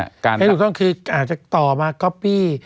วิธีการที่ถูกต้องคืออาจจะต่อมาก็ก๊อปปี้